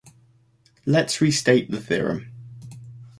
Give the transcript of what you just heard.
Let's restate the theorem.